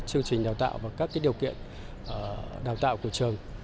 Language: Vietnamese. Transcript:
chương trình đào tạo và các điều kiện đào tạo của trường